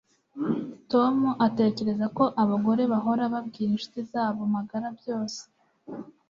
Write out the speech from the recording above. Tom atekereza ko abagore bahora babwira inshuti zabo magara byose